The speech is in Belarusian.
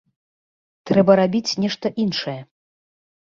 Трэба рабіць нешта іншае.